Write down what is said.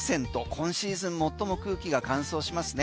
今シーズン最も空気が乾燥しますね。